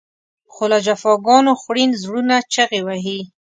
خو له جفاګانو خوړین زړونه چغې وهي.